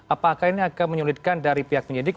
apakah ini akan menyulitkan dari pihak penyidik